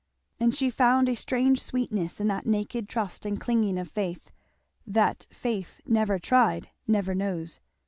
And she found a strange sweetness in that naked trust and clinging of faith, that faith never tried never knows.